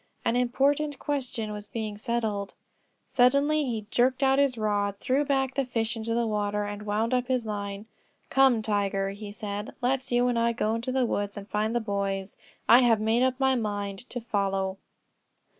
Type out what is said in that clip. An important question was being settled. Suddenly he jerked out his rod, threw back the fish into the water and wound up his line. "Come, Tiger," he said; "let's you and I go to the woods and find the boys; I have made up my mind to 'follow.'"